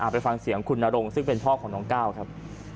ไปฟังเสียงคุณนรงซึ่งเป็นพ่อของน้องก้าวครับ